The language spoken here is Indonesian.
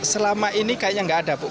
selama ini kayaknya enggak ada pak